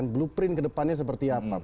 blueprint ke depannya seperti apa